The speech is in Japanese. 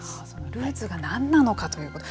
ルーツがなんなのかということ。